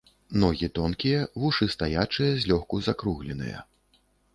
Ногі тонкія, вушы стаячыя, злёгку закругленыя.